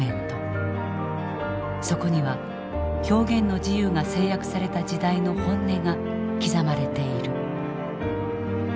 そこには表現の自由が制約された時代の本音が刻まれている。